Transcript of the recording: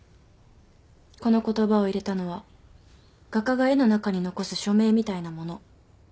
この言葉を入れたのは画家が絵の中に残す署名みたいなもの。